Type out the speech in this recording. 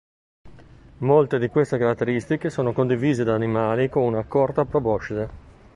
Molte di queste caratteristiche sono condivise da animali con una corta proboscide.